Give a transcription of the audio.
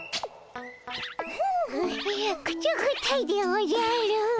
くちゅぐったいでおじゃる。